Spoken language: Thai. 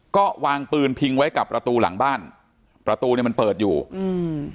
ก็วางปืนพิงไว้กับประตูหลังบ้านประตูเนี้ยมันเปิดอยู่อืม